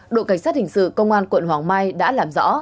đội cảnh sát hình sự công an quận hoàng mai đã làm rõ